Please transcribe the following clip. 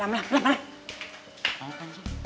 lam lam lam